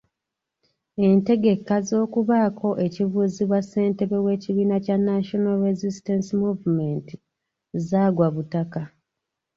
Entegeka z'okubaako ekibuuzibwa Ssentebe w'ekibiina kya National Resistance Movement zaagwa butaka.